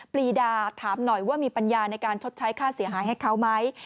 ปรีดาถามหน่อยว่ามีปัญญาในการชดใช้ค่าเสียหายให้เขาไหม